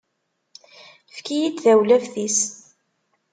Efk-iyi-d tawlaft-is.